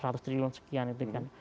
seratus triliun sekian itu kan